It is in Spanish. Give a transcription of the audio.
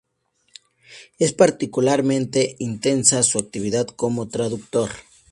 Es particularmente intensa su actividad como traductor.